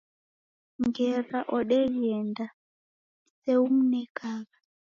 Ngera odeghenda, seimunekagha.